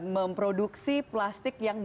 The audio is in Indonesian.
memproduksi plastik yang